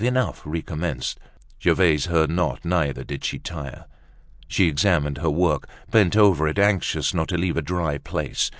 Enough!" recommenced. Gervaise heard not, neither did she tire. She examined her work, bent over it, anxious not to leave a dry place.